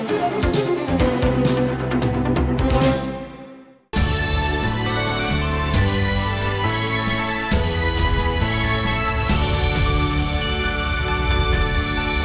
hẹn gặp lại